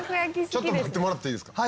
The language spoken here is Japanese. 「ちょっと待ってもらっていいですか？」